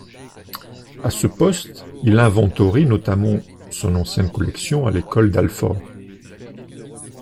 À ce poste, il inventorie notamment son ancienne collection à l'École d'Alfort.